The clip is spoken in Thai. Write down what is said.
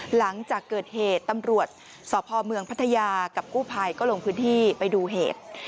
หลังจากเกิดเหตุตำรวจสพเมืองพัทยากับกู้ภัยก็ลงพื้นที่ไปดูเหตุ